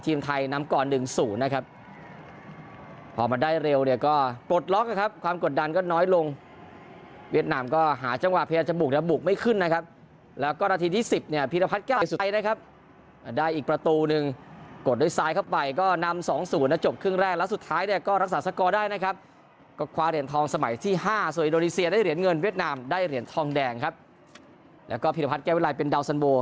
ก็นาทีที่สิบเนี่ยพิรพัฒน์แก้วลายสุดท้ายนะครับได้อีกประตูหนึ่งกดด้วยซ้ายเข้าไปก็นำสองศูนย์แล้วจบครึ่งแรกแล้วสุดท้ายเนี่ยก็รักษาสกอร์ได้นะครับก็คว้าเรียนทองสมัยที่ห้าส่วนอิโดนีเซียได้เหรียญเงินเวียดนามได้เหรียญทองแดงครับแล้วก็พิรพัฒน์แก้วลายเป็นดาวสันโบ